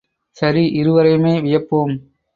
சரி இருவரையுமே வியப்போம்.